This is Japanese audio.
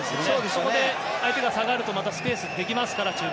そこで相手が下がると中盤にスペースができますから。